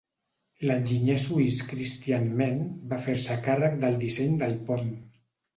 L'enginyer suís Christian Menn va fer-se càrrec del disseny del pont.